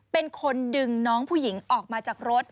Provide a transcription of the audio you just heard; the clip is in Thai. เป็นคนดึงน้องผู้หญิงออกมาจากรถ